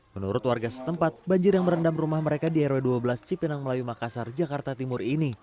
menurut warga setempat banjir yang merendam rumah mereka di rw dua belas cipinang melayu makassar jakarta timur ini